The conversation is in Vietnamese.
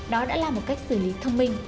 đó đã là một cách xử lý thông minh